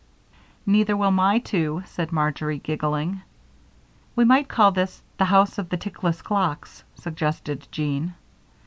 "Neither will my two," said Marjory, giggling. "We might call this 'The House of the Tickless Clocks,'" suggested Jean.